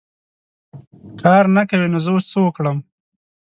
کار نه کوې ! نو زه اوس څه وکړم .